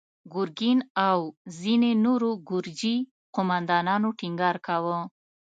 ګرګين او ځينو نورو ګرجي قوماندانانو ټينګار کاوه.